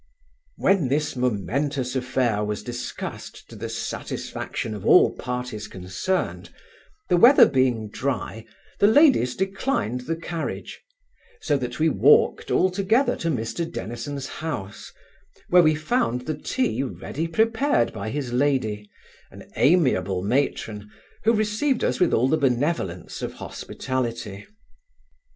When this momentous affair was discussed to the satisfaction of all parties concerned, the weather being dry, the ladies declined the carriage; so that we walked all together to Mr Dennison's house, where we found the tea ready prepared by his lady, an amiable matron, who received us with all the benevolence of hospitality.